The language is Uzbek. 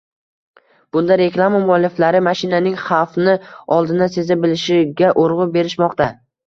Bunda reklama mualliflari mashinaning “xavfni oldindan seza bilishi“ ga urgʻu berishmoqda.